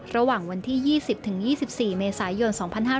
ระหว่างวันที่๒๐๒๔เมษายน๒๕๕๙